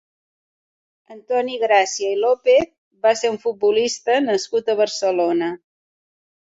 Antoni Gràcia i López va ser un futbolista nascut a Barcelona.